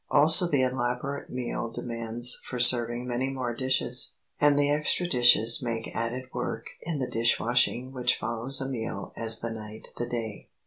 Also the elaborate meal demands for serving many more dishes, and the extra dishes make added work in the dish washing which follows a meal as the night the day.